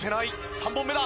３本目だ！